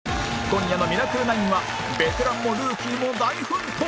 今夜の『ミラクル９』はベテランもルーキーも大奮闘！